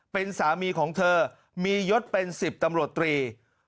เป็นสามีของเธอมียศเป็น๑๐ตำรวจตรี